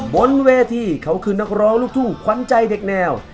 บนเวทีเขาคือนักร้องลูกทุ่งขวัญใจเด็กแนว